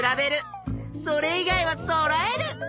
それ以外はそろえる！